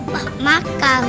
adam ah makan